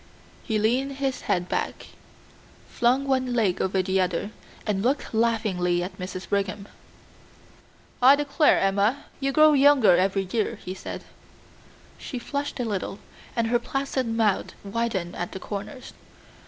He leaned his head back, flung one leg over the other, and looked laughingly at Mrs. Brigham. "I declare, Emma, you grow younger every year," he said. She flushed a little, and her placid mouth widened at the corners.